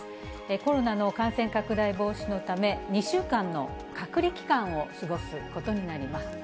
コロナの感染拡大防止のため、２週間の隔離期間を過ごすことになります。